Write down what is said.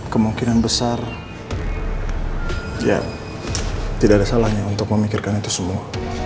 kemungkinan besar ya tidak ada salahnya untuk memikirkan itu semua